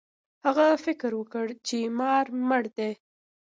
هغه فکر وکړ چې مار مړ دی.